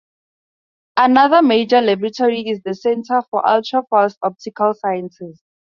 Another major laboratory is the Center for Ultra-Fast Optical Sciences.